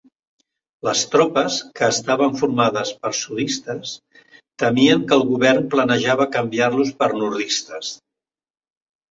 Les tropes, que estaven formades per sudistes, temien que el govern planejava canviar-los per nordistes.